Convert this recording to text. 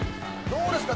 どうですか？